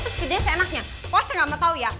terus kerjanya seenaknya